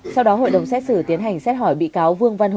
sau đó hội đồng xét xử tiến hành xét hỏi bị cáo vương văn